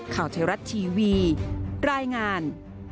ข่าวใจรัตน์ทีวีรายงาน